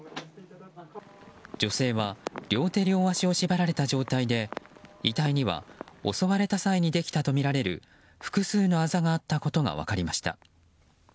女性は両手両足を縛られた状態で遺体には襲われた際にできたとみられる複数のあざがあったことが分かりました。